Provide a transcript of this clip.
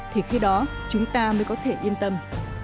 thì khi đó chúng ta mới có thể yên tâm